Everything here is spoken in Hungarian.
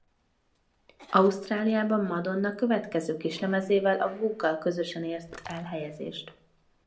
Ausztráliában Madonna következő kislemezével a Vogue-vel közösen ért el helyezést.